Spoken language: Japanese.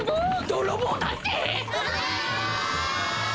どろぼうだって！？